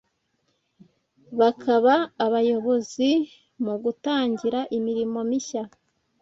bakaba abayobozi mu gutangira imirimo mishya